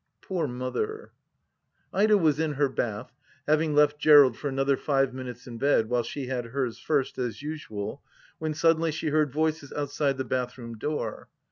Poor Mother 1 Ida was in her bath, having left Gerald for another five minutes in bed while she had hers first, as usual, when sud denly she heard voices outside the bathroom door.